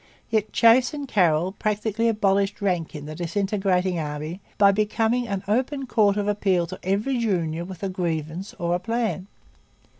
Yet Chase and Carroll practically abolished rank in the disintegrating army by becoming an open court of appeal to every junior with a grievance or a plan.